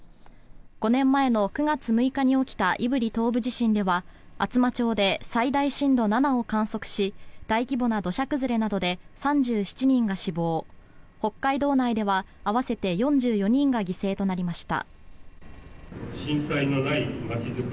５年前の９月６日に起きた胆振東部地震では厚真町で最大震度７を観測し大規模な土砂崩れなどで３７人が死亡北海道内では合わせて４４人が犠牲となりました。